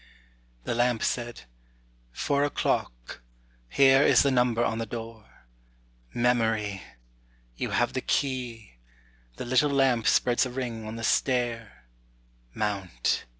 â The lamp said, âFour oâclock, Here is the number on the door. Memory! You have the key, The little lamp spreads a ring on the stair, Mount.